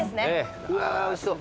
うわおいしそう。